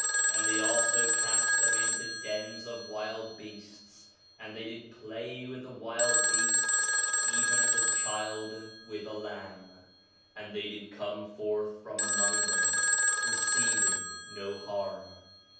4 Nephi 1:33 And they also cast them into dens of wild beasts, and they did play with the wild beasts even as a child with a lamb; and they did come forth from among them, receiving no harm.